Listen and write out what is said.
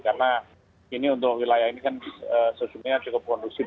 karena ini untuk wilayah ini kan sesungguhnya cukup kondusif